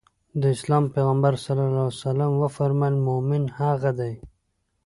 د اسلام پيغمبر ص وفرمايل مومن هغه دی.